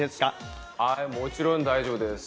もちろん大丈夫です。